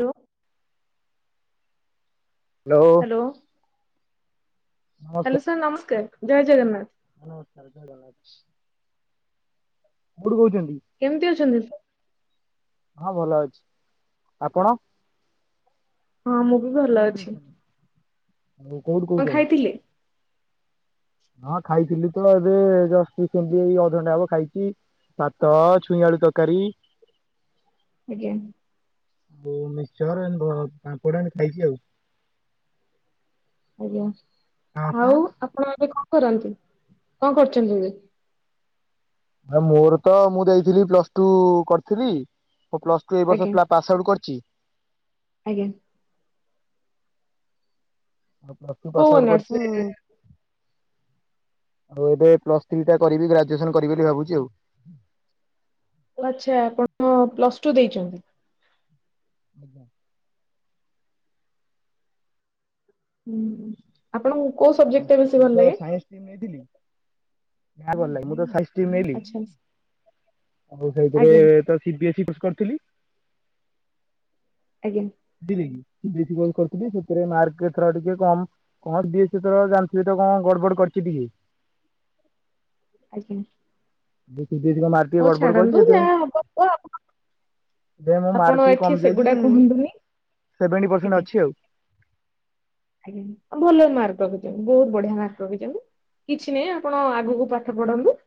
Do [unintelligible] hello hello sir ନମସ୍କାର, ଜୟ Jagannath. Hello sir, ଜୟ ଜଗନ୍ନାଥ। କୋଉଠି ରହୁଛନ୍ତି? କେମିତି ଅଛନ୍ତି? ହଁ ଭଲ ଅଛି, ଆପଣ? ହଁ ମୁଁ ବି ଆପଣ ଭଲ କେମିତି ଅଛି। ଅଛନ୍ତି? କୋଉଠୁ କଣ କହୁଛନ୍ତି--? ଖାଇଥିଲେ? [inaudible] ହଁ ଖାଇଥିଲି ତ, ଏବେ ଜଷ୍ଟ ସେମିତି ଏଇ ଅଧଘଣ୍ଟା ହେବ ଖାଇଛି। ଭାତ, ଛୁଇଁ ଆଳୁ ତରକାରୀ । ଆଜ୍ଞା । ଆଉ ମିକସର, ପାମ୍ପଡ ଖାଇଛି ଆଉ ଆଉ ଆପଣ ଏବେ କଣ କରନ୍ତି? କଣ କରୁଛନ୍ତି ଏବେ? ନା ମୋର ତ ମୁଁ ଦେଇଥିଲି ପ୍ଲସ ଟୁ କରିଥିଲି। ମୁଁ ପ୍ଲସ୍ ଟୁ ଏଇ ବର୍ଷ ଆଜ୍ଞା ପ୍ଲା ପାସ୍ ଆଉଟ୍ କରିଛି। ଆଜ୍ଞା। ପ୍ଲସ ଟୁ କୋଉ ପାସ ଆଉଟ କରିଛି। ଅନର୍ସରେ ଆଉ ଏବେ ପ୍ଲସ ଥ୍ରୀ ଟା କରିବି, ଗ୍ରାଜୁଏସନ କରିବି ବୋଲି ଭାବୁଛି ଆଉ ଆଛା, ଆପଣ ପ୍ଲସ ଟୁ ଦେଇଛନ୍ତି। ଆଜ୍ଞା । ହୁଁ ଆପଣ ମୁ ତ ସାଇନ୍ସ ନେଇଥିଲି । ଭଲ ଲ ମୁଁ ଆଚ୍ଛା ଆଉ ଆଜ୍ଞା ସେଥି [inaudible] କରିଥିଲି । ଆଜ୍ଞା ଦିନେକି [unintelligible] ବିଏସ ବ କରିଥିଲି, ସେଥିରେ ମାର୍କ ଏଥର ଟିକେ କମ କଣ ବିଏସ୍ ସିଥର ଜାଣିଥି ତ କଣ ଗଡ ବଡ କରିଛି। [unintelligible] ଆଜ୍ଞା । ବିଏସି ମାର୍କ କିଏ ଗଡ ବଡ କରିଛି, ସେଥିପାଇଁ ଯାହା ହବ ହବ ଦେ ମୋ ଆପଣ ମାର୍କ ଟ ଏଠି କମି ସେଗୁଡା ଯାଇଛି, କୁହନ୍ତୁନି ସେଭେଣ୍ଟି ଆଜ୍ଞା ପରସେଣ୍ଟ ଅଛି ଆଉ ଆଜ୍ଞା, ଭଲ ମାର୍କ ରଖିଛନ୍ତି ବହୁତ ବଢିଆ ମାର୍କ ରଖିଛନ୍ତି। କିଛି ନାହିଁ ଆପଣ ଆଗକୁ ପାଠ ପଢନ୍ତୁ।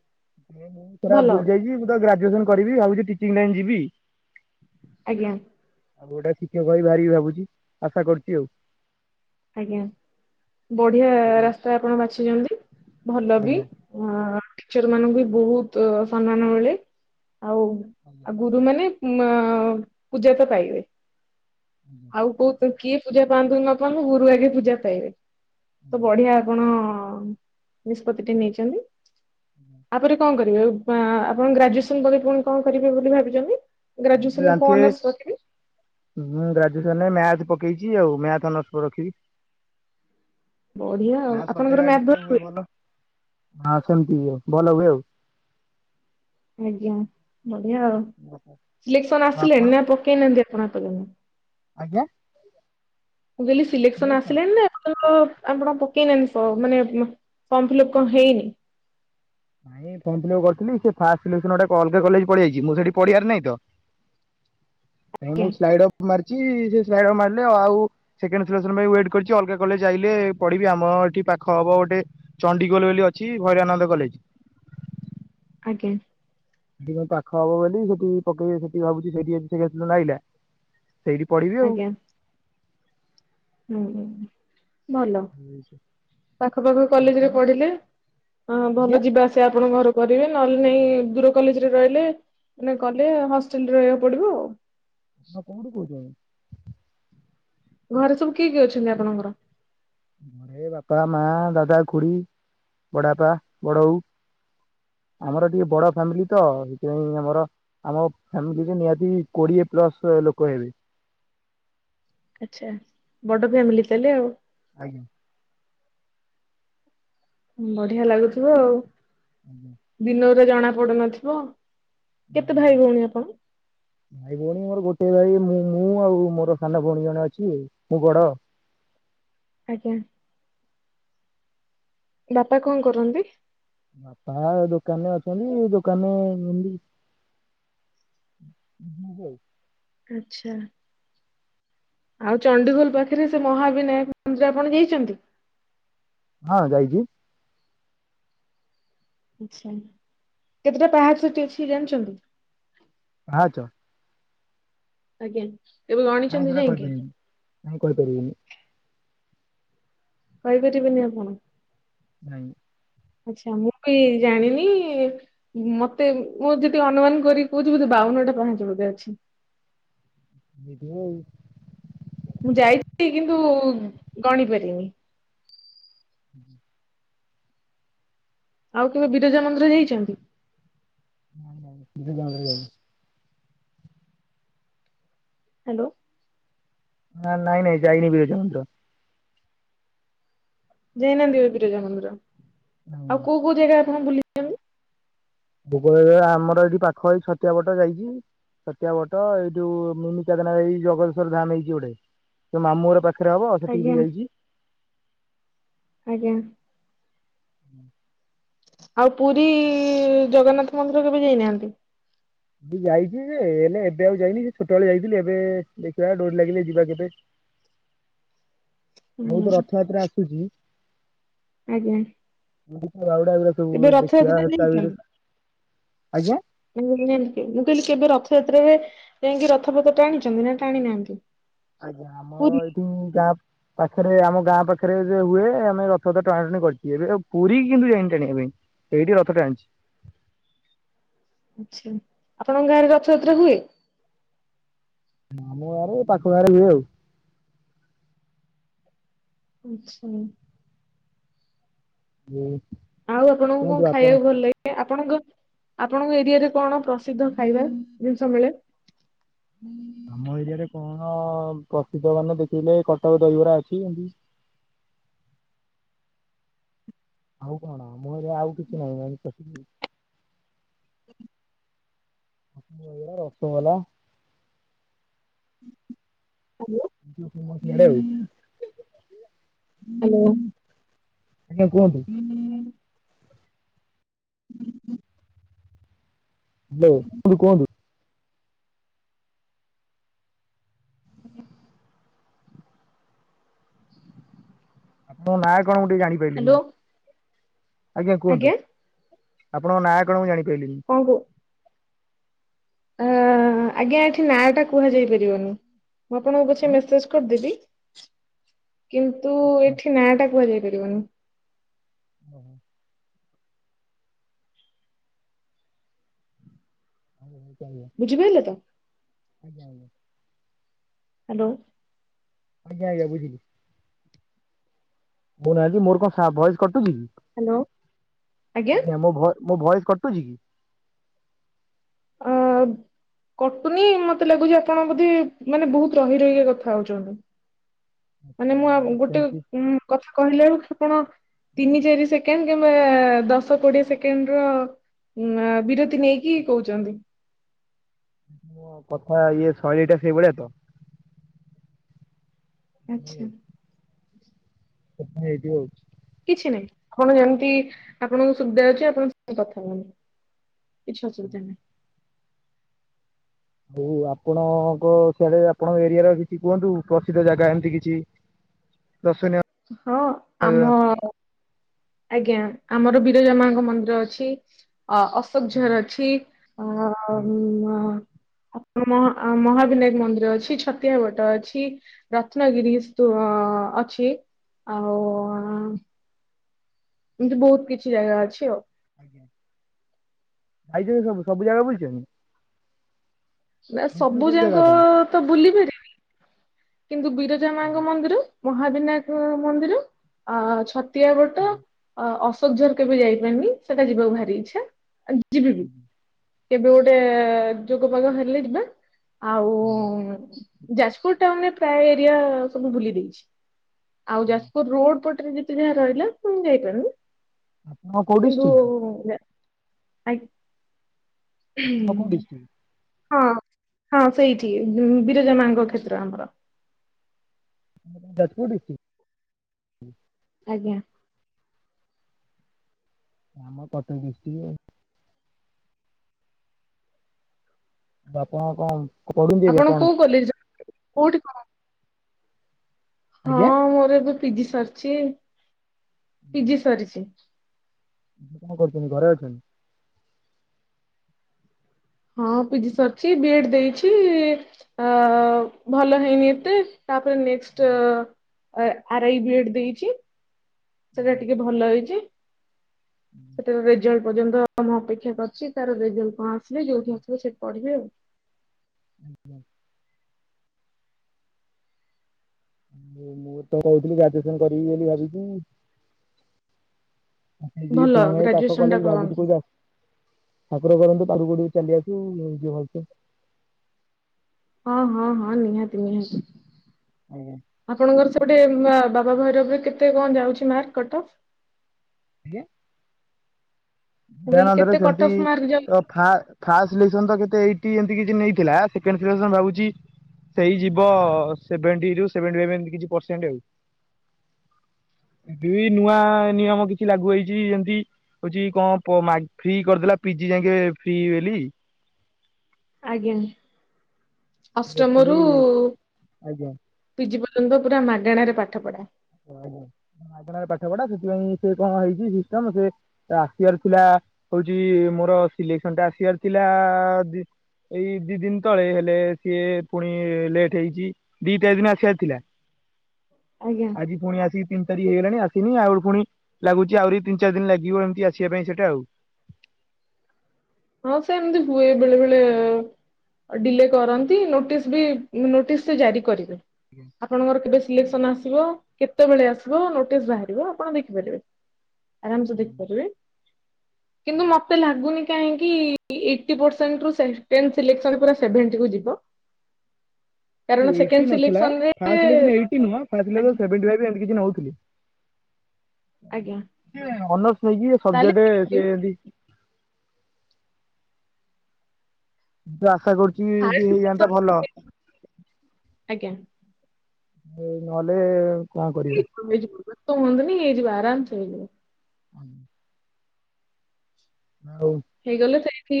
ମୁଁ ମୁଁ ପୁରା ଭଲ ହବ ଭୁଲି ଯାଇଛି ମୁଁ ତ ଗ୍ରାଜୁଏସନ କରିବି ଭାବୁଛି ଟିଚିଂ ଲାଇନ ଯିବି। ଆଜ୍ଞା। ଆଉ ଗୋଟେ ଶିକ୍ଷକ ହେଇ ବାହାରି ଭାବୁଛି ଆଶା କରୁଛି ଆଉ। ଆଜ୍ଞା ବଢିଆ ଆଉ ରାସ୍ତା ଆପଣ ବାଛିଛନ୍ତି। ଭଲ ବି ଆଜ୍ଞା ଅ ଟିଚର ମାନଙ୍କୁ ବି ବହୁତ ସମ୍ମାନ ମିଳେ। ଆଉ ଆଜ୍ଞା ଆଜ୍ଞା ଆଉ ଗୁରୁ ମାନେ ମ ପୂଜା ତ ପାଇବେ। ଆଉ କୋଉ କିଏ ପୂଜା ପାଆନ୍ତୁ ନ ପାନ୍ତୁ ମୁଁ ଗୁରୁ ଆଗେ ପୂଜା ପାଇବେ। ତ ଆଜ୍ଞା। ବଢିଆ ଆପଣ ନିଷ୍ପତିଟେ ନେଇଛନ୍ତି। ତାପରେ କଣ କରିବେ ଆ-ଆପଣ ଗ୍ରାଜୁଏସନ ପରେ ପୁଣି କଣ କରିବେ ବୋଲି ଭାବିଛନ୍ତି? ଗ୍ରାଜୁଏସନରେ କୋଉ ଜାଣିଥିବେ ଅନର୍ସ ରଖିବେ? ଗ୍ରାଜୁଏସନରେ ମ୍ୟାଥ ପକେଇଛି ଆଉ ମ୍ୟାଥ ଅନର୍ଷ ରଖିବି। ବଢିଆ ଆଉ ଆପଣଙ୍କର ମ୍ୟାଥ ଭଲ ହୁଏ? ହଁ ସେମିତି ଆଉ ଭଲ ହୁଏ ଆଉ। ଆଜ୍ଞା। ବଢିଆ ଆଉ ଓହୋ। ସିଲେକ୍ସନ ଆପଣ ଆସିଲେଣି ନା ପକେଇନାହାନ୍ତି ଆପଣଙ୍କ ଏପର୍ଯ୍ୟନ୍ତ? ଆଜ୍ଞା? ମୁଁ କହିଲି ସିଲେକ୍ସନ ଇଲେକ୍ସନ ଆସିଲାଣି ନା ଏପର୍ଯ୍ୟନ୍ତ ଆପଣ ପକେଇନାହାନ୍ତି ଫ ମାନେ ଫର୍ମ ଫିଲପ୍ କଣ ହେଇନି? ନାଇଁ ଫର୍ମ ଫିଲପ୍ କରିଥିଲି ସେ ଫାର୍ଷ୍ଟ ସିଲେକ୍ସନ ଗୁଡ଼ା ଅଲଗା କଲେଜ ପଳିଆଇଚି ମୁଁ ସେଇଠି ପଢ଼ିଆର ନାହିଁ ତ [inaudible] ନାଇଁ ଆଜ୍ଞା ମୁଁ ସ୍ଲାଇଡ ଅଫ୍ ମାରିଛି। ସ୍ଲାଇଡ ଅଫ୍ ମାରିଲି ଆଉ ସେକେଣ୍ଡ ସିଲେକ୍ସନ ପାଇଁ ୱେଟ କରିଚି ଅଲଗା କଲେଜ ଆଇଲେ ପଢିବି ଆମ ଏଠି ପାଖ ହବ। ଗୋଟେ ଚଣ୍ଡୀଖୋଲ ବୋଲି ଅଛି ଭୈରାନନ୍ଦ କଲେଜ। ଆଜ୍ଞା। ସେଠି ପାଖ ହବ ବୋଲି ସେଠି ପକେଇ ସେଠି ଭାବୁଛି ସେଠି ଏମ୍ ସି [unintelligible] ଆଇଲା। ସେଇଠି ପଢିବି ଆଉ। ଆଜ୍ଞା ହୁଁ ହୁଁ। ଭଲ ପାଖ ପାାଖ କଲେଜରେ ଆପଣ ପଢିଲେ ହଁ ଆଜ୍ଞା। ଭଲ ଯିବା ଆସିବା ଆପଣଙ୍କ ଘର କରିବେ ନହେଲେ ନାଇଁ ଦୂର କଲେଜରେ ରହିଲେ ମାନେ ଗଲେ ହଷ୍ଟେଲରେ ରହିବାକୁ ପଡିବ ଆଉ। ଆପଣ କୋଉଠୁ କହୁଛନ୍ତି? ଘରେ ସବୁ କିଏ କିଏ ଅଛନ୍ତି ଆପଣଙ୍କର? ଘରେ ବାପା, ମା, ଦାଦା, ଖୁଡି, ବଡ଼ବାପା, ବଡବୋଉ ଆମର ଟିକେ ବଡ ଫାମିଲି ତ ସେଥିପାଇଁ ଆମର ଆମ ଫାମିଲି ନିହାତି ରେ କୋଡିଏ ପ୍ଲସ ଲୋକ ହେବେ। ଆଚ୍ଛା ବଡ ଫ୍ୟାମିଲି ତାହେଲେ ଆଉ। ଆଜ୍ଞା। ବଢିଆ ଲାଗୁଥିବ ଆଉ। ଆଜ୍ଞା। ଦିନରେ ଜଣା ପଡୁନଥିବ। କେତେ ଭାଇ ଆଜ୍ଞା ଭଉଣୀ ଆପଣ? ଭାଇ ଭଉଣୀ କଣ ମୋର ଗୋଟେ ଭାଈ। ମୁଁ ମୁଁ ଆଉ ମୋର ସାନ ଭଉଣୀ ଜଣେ ଅଛି ମୁଁ ବଡ। ଆଜ୍ଞା। ବାପା କଣ କରନ୍ତି? ବାପା ଦୋକାନରେ ଅଛନ୍ତି ଦୋକାନରେ ଅଛନ୍ତି। [unintelligible] ଆଚ୍ଛା। ଆଉ ଚଣ୍ଡିଖୋଲ ପାଖରେ ସେ ମହାବିନାୟକ ମନ୍ଦିର ଆପଣ ଯାଇଛନ୍ତି? ହଁ ଯାଇଚି। ଆଚ୍ଛା କେତେଟା ପାହାଚ ସେଠି ଅଛି ଜାଣିଛନ୍ତି? ପାହାଚ? ଆଜ୍ଞା କେବେ ନାଇଁ ଗଣିଛନ୍ତି ସେଟା ଯାଇକି? କହିପାରିବିନି ନାଇଁ କହିପାରିବିନି କହି ପରିବେନି ଆପଣ? ନାଇଁ। ଆଚ୍ଛା ମୁଁ ବି ଜାଣିନି ମତେ ମୁଁ ଯଦି ଅନୁମାନ କରି କହୁଛି ବୋଧେ ବା ଆଉନ ଟା ପାହାଚ ବୋଧେ ଅଛି। ଦେଖିଆ ଆଉ। ମୁଁ ଯାଇଛି କିନ୍ତୁ ଗଣି ପାରିନି। [inaudible] ଆଉ କେବେ ବିରଜା ମନ୍ଦିର ଯାଇଛନ୍ତି? ଦି ଜଣ ଯାଉଛୁ। ହ୍ୟାଲୋ। ନା ନାଇଁ ନାଇଁ ଯାଇନି ବିରଜା ମନ୍ଦିର। ଯାଇନାହାନ୍ତି କେବେ ବିରଜା ମନ୍ଦିର ମନ୍ଦିର। ଆଉ କୋଉ କୋଉ ଜାଗା ଆପଣ ବୁଲିଛନ୍ତି? [unintelligible] ଆମର ଏଠି ପାଖ ଏଇ ଛତିଆ ବାଟ ଯାଇକି। ଚାତ୍ତିଆ ବଟ ଏଇ ଯୋଉ ମିନିଚଦନା ଏଇ ଜଗଦେଶଵର ଧାମ ହେଇଛି ଗୋଟେ ଯୋଉ ମାମୁଁର ଘର ପା ପାଖରେ ହବ ଅଧ ଆଜ୍ଞା ଟ୍ରିପ ଯାଇଛି। ଆଜ୍ଞା। [inaudible] ଆଉ ପୁରୀ ଜଗନ୍ନାଥ ମନ୍ଦିର କେବେ ଯାଇନାହାନ୍ତି? ଯାଇଛି ଯେ ହେଲେ ଏବେ ଆଉ ଯାଇନି ସେ ଛୋଟ ବେଳେ ଯାଇଥିଲି ଏବେ ଦେଖିବା ଡୋରି ଲାଗିଲେ ଯିବା କେବେ। [inaudible] ଆଗକୁ ତ ହୁଁ। ରଥଯାତ୍ରା ଆସୁଛି। ଆଜ୍ଞା। ଗୁଣ୍ଡିଚା ବାହୁଡା ଏଗୁଡା ସବୁ ଏବେ ଦେଖିବା ରଥଯାତ୍ରା ତା ଭିତରେ ନେଇଛନ୍ତି। ଆଜ୍ଞା। [unintelligible] ମୁଁ କହିଲି କେବେ ରଥଯାତ୍ରାରେ ଯାଇକି ରଥ ପଥ ଟାଣିଛନ୍ତି ନା ଟାଣି ନାହାନ୍ତି? ଆଜ୍ଞା ଆମ ପୁରୀ ଏଇଠି ଯାହା ପାଖରେ ଆମ ଗାଁ ପାଖରେ ହୁଏ ଆମେ ରଥ ରଥ ଟଣା ଟଣି କରିଛେ ଏବେ ଆଉ ପୁରୀ କେବେ ଯାଇନି ଟାଣିବା ପାଇଁ। ଏଇଠି ରଥ ଟାଣିଛି। ଆଚ୍ଛା ଆପଣଙ୍କ ଗାଁରେ ରଥଯାତ୍ରା ହୁଏ? ମାମୁଁ ବାରେ ଏଇ ପାଖ ଗାଁ ରେ ହୁଏ ଆଉ। ଆଚ୍ଛା। ହୁଁ। ଆଉ ଆପଣ ଙ୍କୁ କଣ ଖାଇବାକୁ ଭଲ ଲାଗେ? ଆ ଆପଣଙ୍କ ଆପଣଙ୍କ ଏରିଆରେ କଣ ପ୍ରସିଦ୍ଧ ଖାଇବା ଜିନିଷ ମିଳେ? ଆମ ଏରିଆରେ କଣ ପ୍ରସିଦ୍ଧ ମାନେ ଦେଖେ କଟକ ଦହିବରା ଅଛି ଏମତି। [inaudible] ଆଉ କଣ ମୋର ଆଉ କିଛି ନାହିଁ ନାଇ ସେତିକି। ଏଇଡା ରସଗୋଲା [unintelligible] ହ୍ୟାଲୋ। ଆଜ୍ଞା କୁହନ୍ତୁ। ହୁଁ ହୁଁ ହ୍ୟାଲୋ ଖୁଡି କୁହନ୍ତୁ? ଆପଣ ନାଁ କଣ ମୁଁ ଟିକେ ହ୍ୟାଲୋ ଜାଣିପାରିଲିନି। ଆଜ୍ଞା କୁହନ୍ତୁ ଆପଣଙ୍କ ନାଁ କଣ ମୁଁ ଜାଣି ହଁ କୋ ଆ ଆଜ୍ଞା ଏଠି ନାଁ ଟା କୁହାଯାଇ ପାରିବନି ମୁଁ ଆପଣଙ୍କୁ ପଛେ ଆଁ ମେସେଜ କରିଦେବି। କିନ୍ତୁ ଏଠି ନାଁ ଟା କୁହାଯାଇ ପାରିବନି। [inaudible] [unintelligible] ବୁଝିପାଇଲେ ତ? ଆଜ୍ଞା, ଆଜ୍ଞା। ହାଲୋ। ଆଜ୍ଞା, ଆଜ୍ଞା ବୁଝିଲି। ମୁଁ କହିନି ଆଜି ମୋର କଣ ସା ଭଏସ କଟୁଚି କି ହ୍ୟାଲୋ। ଆଜ୍ଞା ମୋ ଭ‌ଏ ମୋ ଭଏସ୍ କଟୁଚି କି? ହବ୍। କଟୁନି ମତେ ଲାଗୁଚି ଆପଣ ବୋଧେ ମାନେ ବୋହୁତ ରହି ରହିକି କଥା ହୋଉଚନ୍ତି। ମାନେ ମୁଁ ହଁ ଗୋଟେ ସେମିତି ଉଁ କଥା କହିଲା ବେଳୁକୁ ଆପଣ ତିନି ଚାରି ସେକେଣ୍ଡ କିମ୍ବା ଦଶ କୋଡିଏ ସେକେଣ୍ଡ ର ନାଁ ବିରତି ନେଇକି କୋହୁଚନ୍ତି। ମୋ କଥା ଇଏ ଶୈଳୀଟା ସେଇଭଲିଆ ତ। ଆଚ୍ଛା। ସେଥିପାଇଁ [unintelligible] ହେଇଥିବ ଆଉ। କିଛି ନାହିଁ ଆପଣ ଯେମିତି ଆପଣଙ୍କ ସୁବିଧା ହୋଉଚି ଆପଣ ସେମିତି କଥା ହୁଅନ୍ତୁ। କିଛି ଅସୁବିଧା ନାହିଁ‌ ହୋଉ ଆପଣଙ୍କ ସିଆଡେ ଆପଣଙ୍କ ଏରିଆ ର କିଛି କୁହନ୍ତୁ ପ୍ରସିଦ୍ଧ ଜାଗା ଏମତି କିଛି। ହଁ ଦର୍ଶନୀୟ ହଁ ଜାଗା। ଆମ ଆଜ୍ଞା ଆମର ବିରଜା ମାଙ୍କ ମନ୍ଦିର ଅଛି। ଆଜ୍ଞା ଅ-ଅଶୋକଝର ଅଛି। ଅ ଉଁ ମ-ଆ ମହାବିନାୟକ ମନ୍ଦିର ଅଛି ଛତିଆ ବଟ ଅଛି। ରତ୍ନଗିରି ସୁ ଅ ଅଛି। ଆଉ। ଏମତି ବୋହୁତ କିଛି ଜାଗା ଅଛି ଆଉ। ଆଜ୍ଞା ଯାଇଛନ୍ତି ସବୁ ସବୁ ଜାଗା ବୁଲିଚନ୍ତି? ନା ସବୁ ଜାଗା ଯାକ ଆପଣ ତ ବୁଲି ପାରି କିନ୍ତୁ ବିରଜା ମାଙ୍କ ଆଜ୍ଞା ମନ୍ଦିର ମହାବିନାୟକ ମନ୍ଦିର ଅ ଛ ତିଆ ବଟ ଆଜ୍ଞା ଅଶୋକଝର କେବେ ଯାଇପାରିନି ସେଟା ଯିବାକୁ ଭାରି ଇଚ୍ଛା। ଯିବି ବି। ହୁଁ। କେବେ ଗୋଟେ ଯୋଗ ପାଗ ହେଲେ ଯିବା ଆଉ ଆଜ୍ଞା ଯାଜପୁର ଟାଉନ ଏ ପ୍ରାୟ ଏରିଆ ସବୁ ବୁଲି ଦେଇଚି। ଆଉ ଆଜ୍ଞା। ଯାଜପୁର ରୋଡ ପଟେ ରେ ଯେତେ ଯାହା ରହିଲା ମୁୁଁ ଯାଇପାରୁନି ଆପଣ କୋଉ କିନ୍ତୁ ଡିଷ୍ଟ୍ରିକ୍ଟ ଆ ଆଉ କୋଉ ଡିଷ୍ଟିକ୍? ହଁ ହଁ ସେଇଠି ବିରଜା ମାଙ୍କ କ୍ଷେତ୍ର ଆମର। ଯାଜପୁର ଡିଷ୍ଟିକ। ଆଜ୍ଞା। ଆମର କଟକ ଡିଷ୍ଟକ ଆଉ। ବାପା ମା କମ ଆପଣ କୋଉ କଲେଜ ରେ କୋଉଠି କଣ ହଁ ଆଜ୍ଞା ମୋର ଏବେ ପିଜି ସରିଚି। ପିଜି ସରିଚି। କଣ କରୁଚନ୍ତି ଘରେ ଅଛନ୍ତି? ହଁ ପିଜି ସରିଚି ବିଇଡି ଦେଇଚି ଆ ଭଲ ହେଇନି ଏତେ। ତାପରେ ନେକଷ୍ଟ ଆରାଇ ବିଇଡି ଦେଇଚି। ସେଟା ଟିକେ ଭଲ ହେଇଚି। ସେଟାର ରେଜଲ୍ଟ ପର୍ଯ୍ୟନ୍ତ ମୁ ଅପେକ୍ଷା କରିଚି ତାର ରେଜଲ୍ଟ କଣ ଆସିଲେ ଯୋଉଠି ଆସିବ ସେଠି ପଢିବି ଆଉ। ଆଜ୍ଞା। ମୁଁ ତ କହୁଥିଲି ଗ୍ରାଜୁଏସନ କରିବି ବୋଲି ଭାବିଚି। ଏଇ ଭଲ ତମେ ପାଖ ଗ୍ରାଜୁଏସନ କଲେ ଟା ଭାବୁଚି କରନ୍ତୁ କୋଉ ଜାଗା ଠାକୁର କରନ୍ତୁ ଚାରୁ ଗୋଡି ଚାଲି ଆସୁ ଯିବା ଭଲସେ ହଁ ହଁ ହଁ ନିହାତି ନିହାତି ଆଜ୍ଞା ଆପଣଙ୍କର ସେ ସେପଟେ ମା ବାବା ଭୈରବରେ କେତେ କଣ ଯାଉଛି ମାର୍କ କଟକ? ଆଜ୍ଞା? ମୁଁ କହିଲି ଦାନନ୍ଦରେ କେତେ କଟ ସେମିତି ଅଫ୍ ମାର୍କ ଯାଉ ତ ଫା ଫାଷ୍ଟ ସିଲେକ୍ସନ୍ ତ କେତେ ଏଇ ଏମତି କିଛି ନେଇଥିଲା, ସେକେଣ୍ଡ ସେଲେକ୍ସନ୍ ଭାବୁଚି ସେଇ ଯିବ ସେଭେଣ୍ଟିରୁ ସେଭେଣ୍ଟି ଫାଇଭ ଏମିତି କିଛି ପରସେଣ୍ଟ ଆଉ ଏବେ ବି ନୂଆ ନିୟମ କିଛି ଲାଗୁ ହେଇଚି ଯେମିତି ହଉଚି କଁ ପ ମାଗି ଫ୍ରୀ କରିଦେଲା ପିଜି ଯାଙ୍କେ ଫ୍ରୀ ବେଲି। ଆଜ୍ଞା ଅଷ୍ଟମ ରୁ ଫ୍ରି ଆଜ୍ଞା। ପିଜି ପ ଏବେପୁରା ମାଗେଣାରେ ପାଠ ପଢା। ନାହିଁ। ମାଗଣାରେ ପାଠ ପଢା ସେଥିପାଇଁ ସେ କଣ ହେଇଚି ସିଷ୍ଟମ ସେ ଆସିବାର ଥିଲା ହଉଚି ମୋର ସିଲେକ୍ସନ ଟା ଆସିବାର ଥିଲା ଆ ଦି ଏଇ ଦି ଦିନ ତଳେ ହେଲେ ସିଏ ପୁଣି ଲେଟ୍ ହେଇଛି ଦିଟା ଦିନ ଆସିବାର ଥିଲା ହୁଁ। ଆଜି ପୁଣି ଆସିକି ତିନି ଡେରି ହେଇଗଲାଣି ଆସିନି ଆଉ ପୁଣି ଲାଗୁଛି ଆହୁରି ତିନି ଚାର ଦିନ ଲାଗିବ ଏମିତି ଆସିବା ପାଇଁ ସେଟା ଆଉ। ହଁ ସେମତି ହୁଏ ବେଳେବେଳେ ଏ ଡିଲେ କରନ୍ତି, ନୋଟିସ୍ ବି ନୋଟିସ୍ ଜାରି କରିବେ। ଆପଣଙ୍କର କେବେ ସିଲେକ୍ସନ୍ ଆସିବ? କେତେବେଳେ ଆସିବ ନୋଟିସ୍ ବାହାରିବ, ଆପଣ ଦେଖିପାରିବେ ଆରାମସେ ଦେଖିପାରିବେ। କିନ୍ତୁ ମତେ ଲାଗୁନି କାହିଁ କି ଏଇଟି ପରସେଣ୍ଟରୁ ସେଣ୍ଟେସ ସିଲେକ୍ସନ ପୁରା ସେଭେଣ୍ଟି କୁ ଯିବ। କାରଣ ସେକେଣ୍ଡ ଏଇଟି ନଥିଲା ସିଲେକ୍ସନରେ ଫାଷ୍ଟ ସିଲେକ୍ସନ ଏଇଟି ନୁହଁ ଫାଷ୍ଟ ଆଜ୍ଞା ସିଲେକ୍ସନ ସେଭେଣ୍ଟୀ ଫାଇଭ ଏମିତି କିଛି ନଉଥିଲେ। ଆଜ୍ଞା ଅନର୍ସ ନେଇକି ତାହେଲେ ସବ୍ଜେକ୍ଟ କିଏ ଏନ୍ତି ଆଶା କରୁଚି ଯଦି ଫାଷ୍ଟ ହେଇଯାଆନ୍ତା ସିଲେକ୍ସନ ଭଲ ଆଜ୍ଞା ଏ ନହେଲେ କଣ [unintelligible] କରିବା ହେଇଯିବ ବ୍ୟସ୍ତ ହୁଅନ୍ତୁନି ହେଇଯିବ ଆରାମସେ ହେଇଯିବ । ହଁ। ହେଇଗଲେ ସେଇଠି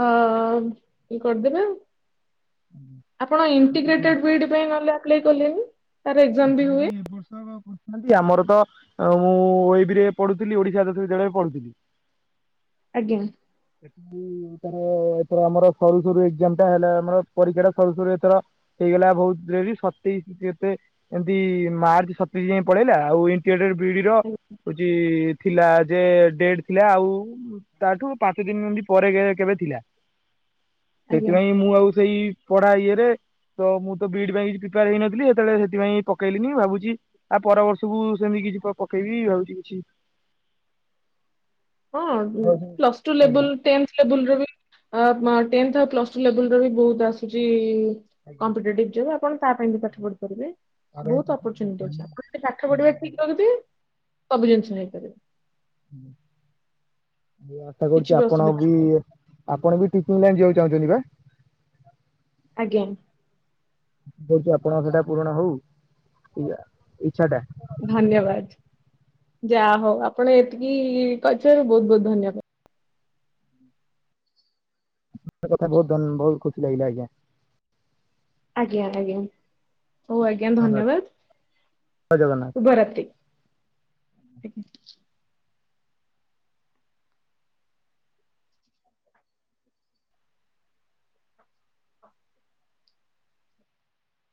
ଅ ଇଏ କରିଦେବେ ଆପଣ ଆଶା ଇଣ୍ଟିଗ୍ରେଟେଡ କରୁଛି ବି ଡି ପାଇଁ ନହେଲେ ଆପ୍ଲାଏ କଲେନି? ତାର ଏକ୍ଜାମ [unintelligible] ବି ହୁଏ। ପାଇଁ ଏ ବର୍ଷ ହବ ଆମର ତ ମୁଁ ଏବିରେ ପଢୁଥିଲି ଓଡ଼ିଶା ଆଦର୍ଶ ବିଦ୍ୟାଳୟରେ ପଢୁଥିଲି। ଆଜ୍ଞା। ଏଥର ଆମର ସରୁ ସରୁ ଏକ୍ସାମଟା ହେଲା ଆମର ପରୀକ୍ଷା ଟା ସରୁ ସରୁ ଏଥର ହେଇଗଲା ବହୁତ ଡେରି ସତେଇଶି କେତେ ଏମତି ମାର୍ଚ୍ଚ ସତେଇଶି ଯାଏଁ ପଳେଇଲା ଆଉ ଏ ଟେ ଡେ ବିଡିର ଆଜ୍ଞା। ହଉଛି ଥିଲା ଯେ ଡେଟ ଥିଲା ଆଉ ତାଠୁ ପାଞ୍ଚ ଦିନି ଏମତି ପରେ କେବେ ଥିଲା ଆଜ୍ଞା। ସେଥିପାଇଁ ମୁଁ ଆଉ ସେଇ ପଢା ଇଏରେ ତ ମୁଁ ତ ବି ଡି ପାଇଁ କିଛି ପ୍ରିପେୟାର ହେଇନଥିଲି, ସେତେବେଳେ ସେଥିପାଇଁ ପକେଇଲିନି ଭାବୁଛି ଆ ପରବର୍ଷକୁ ସେମିତି କିଜି କଁ ପକେଇବି ଭାବିଛି କିଛି ହଁ ଆଜ୍ଞା ପ୍ଲସ ଟୁ ଲେବଲ ଟେନ୍ଥ ଲେବଲର ବି ଅ ହଁ ଟେନ୍ଥ ଆଉ ପ୍ଲସ୍ ଟୁ ଲେବଲ ର ବି ବହୁତ ଆସୁଚି ଆଜ୍ଞା କମ୍ପିଟେଟିଭ ଜବ୍ ଆପଣ ତା ପାଇଁ ବି ପାଠ ପଢି ପାରିବେ ଆର ବହୁତ ଅପରଚୁନିଟୀ ଅଛି ଆପଣ ପାଠ ପଢିବା ଆଜ୍ଞା। ଠିକ ରଖିଥିବେ ସବୁ ଜିନିଷ ହେଇପାରିବ। ହୁଁ। ମୁଁ ଆଶା କିଛି କରୁଛି ଆପଣ ଅସୁବିଧା ବି ହବନି। ଆପଣ ବି ଟିଚିଂ ଲାଇନ ଯିବାକୁ ଚାହୁଁଛନ୍ତି ବା? ଆଜ୍ଞା। [unintelligible] ଆପଣଙ୍କ ସେଟା ପୁରଣ ହୋଉ ଇଚ୍ଛା ଟା। ଧନ୍ୟବାଦ୍। ଯାହା ହଉ ଆପଣ ଏତିକି କହିଥିବାରୁ ବହୁତ୍ ବହୁତ୍ ଧନ୍ୟବାଦ। [unintelligible] ବହୁତ ବହୁତ ଖୁସି ଲାଗିଲା ଆଜ୍ଞା। ଆଜ୍ଞା ଆଜ୍ଞା ହଉ ଆଜ୍ଞା ଧନ୍ୟବାଦ ଧନ୍ୟବାଦ୍। ଜୟ ଜଗନ୍ନାଥ। ଶୁଭ ରାତ୍ରି। ଆଜ୍ଞା।